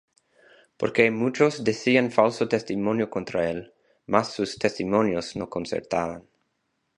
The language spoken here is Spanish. Porque muchos decían falso testimonio contra él; mas sus testimonios no concertaban.